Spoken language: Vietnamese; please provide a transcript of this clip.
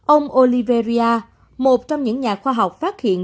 ông oliveria một trong những nhà khoa học phát hiện